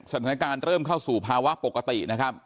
สถานการณ์เริ่มเข้าสู่ภาวะปกตินะครับ